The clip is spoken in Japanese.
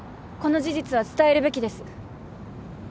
この事実は伝えるべきです。